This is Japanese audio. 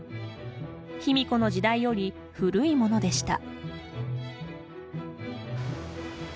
卑弥呼の時代より古いものでした。